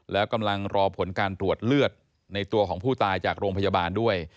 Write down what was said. แล้วกำลังรอผลการตรวจเลือดในตัวของผู้ตายจากโรงพยาบาลด้วย